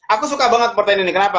aku suka banget pertanyaan ini kenapa